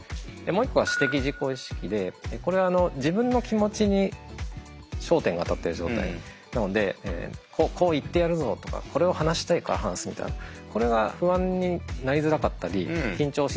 もう一個は私的自己意識でこれは自分の気持ちに焦点が当たってる状態なのでこう言ってやるぞとかこれを話したいから話すみたいなこれは不安になりづらかったり緊張しづらいってことが分かっています。